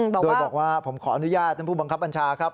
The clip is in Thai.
โดยบอกว่าผมขออนุญาตท่านผู้บังคับบัญชาครับ